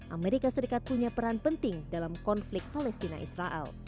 amerika serikat punya peran penting dalam konflik palestina israel